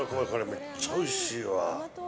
めっちゃおいしいわ。